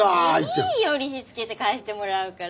いいよ利子つけて返してもらうから。